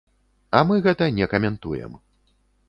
А мы гэта не каментуем.